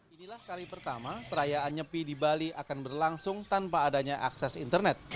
inilah kali pertama perayaan nyepi di bali akan berlangsung tanpa adanya akses internet